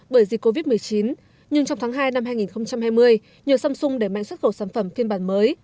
bởi dịch covid một mươi chín nhưng trong tháng hai năm hai nghìn hai mươi nhờ samsung đẩy mạnh xuất khẩu sản phẩm phiên bản mới